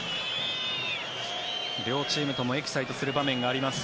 両チームともエキサイトする場面があります。